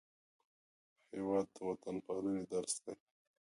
هېواد د وطنپالنې درس دی.